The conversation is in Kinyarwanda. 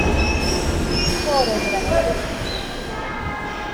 Kworoherana nabyo tubyige